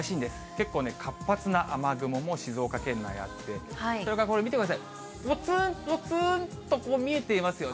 結構ね、活発な雨雲も静岡県内あって、それからこれ見てください、ぽつんぽつんとこう、見えていますよね。